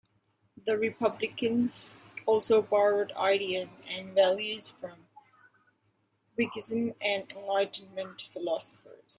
The republicans also borrowed ideas and values from Whiggism and Enlightenment philosophers.